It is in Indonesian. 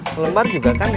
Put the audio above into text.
selembar juga kan lima puluh